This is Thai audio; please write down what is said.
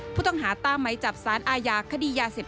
ผู้ต้องหาตามไหมจับสารอาญาคดียาเสพติด